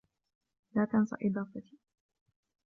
لا تنس إضافتي.